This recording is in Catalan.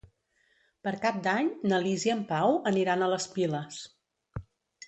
Per Cap d'Any na Lis i en Pau aniran a les Piles.